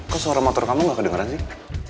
kok suara motor kamu gak kedengeran sih